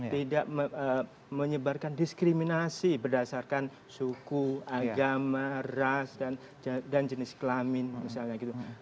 tidak menyebarkan diskriminasi berdasarkan suku agama ras dan jenis kelamin misalnya gitu